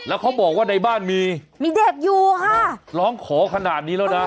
แล้วเขาบอกว่าในบ้านมีมีเด็กอยู่ค่ะร้องขอขนาดนี้แล้วนะ